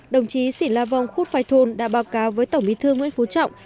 đồng chí sỉn la vong khuất phai thun đã báo cáo với tổng bí thư nguyễn phú trọng